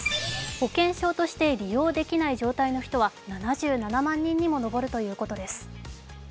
保険証として利用できない状態の人は７７万人にも上るということです。